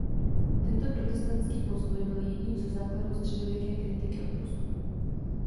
Tento protestantský postoj byl jedním ze základů středověké kritiky odpustků.